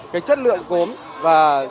cái chất lượng cốm và